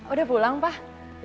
udah pulang pak